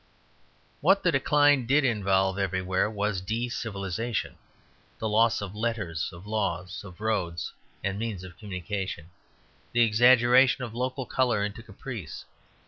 What the decline did involve everywhere was decivilization; the loss of letters, of laws, of roads and means of communication, the exaggeration of local colour into caprice.